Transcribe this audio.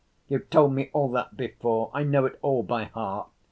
"You've told me all that before, I know it all by heart.